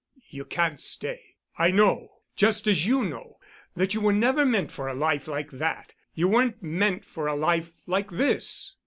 "You can't stay. I know, just as you know, that you were never meant for a life like that—you weren't meant for a life like this.